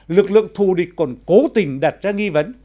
lực lượng thù địch còn cố tình đặt ra nghi vấn